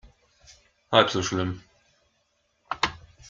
Halb so schlimm.